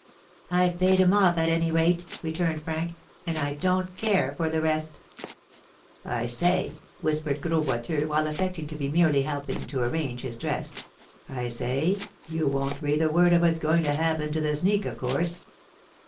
"I've paid him off, at any rate," returned Frank; "and I don't care for the rest." "I say," whispered Gros Boiteux, while affecting to be merely helping to arrange his dress, "I say, you won't breathe a word of what's going to happen to the sneak, of course?"